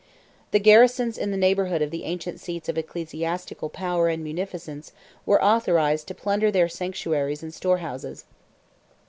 The garrisons in the neighbourhood of the ancient seats of ecclesiastical power and munificence were authorized to plunder their sanctuaries and storehouses.